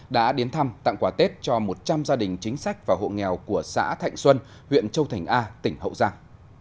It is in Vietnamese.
đã đến thăm tặng quà tết cho một trăm linh gia đình chính sách và hộ nghèo của xã thạnh xuân huyện châu thành a tỉnh hậu giang